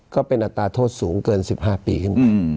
ก็เป็นอัตราโทษสูงเกิน๑๕ปีขึ้นไป